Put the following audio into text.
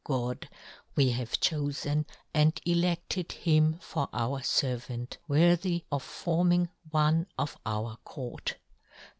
105 God, we have chofen and eledied him for our fervant, worthy of forming one of our court.